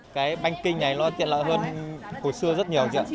cái banh kinh này nó tiện lợi hơn hồi xưa rất nhiều